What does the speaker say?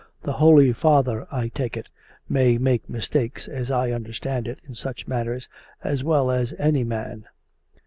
" The Holy Father, I take it, may make mistakes, as I understand it, in such matters, as well as any man.